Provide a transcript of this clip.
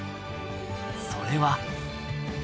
それは。